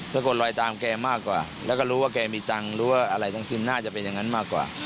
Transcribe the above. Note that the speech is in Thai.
ถ้าคนลอยตามแกมากกว่าแล้วก็รู้ว่าแกมีตังค์รู้ว่าอะไรทั้งสิ้นน่าจะเป็นอย่างนั้นมากกว่า